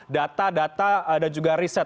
data data dan juga riset